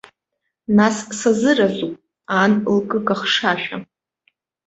Нас, сазыразуп, ан лкыкахшашәа.